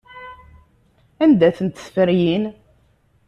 Anda-tent tferyin?